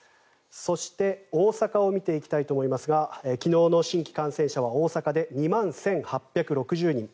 そして、大阪を見ていきたいと思いますが昨日の新規感染者は大阪で２万１８６０人。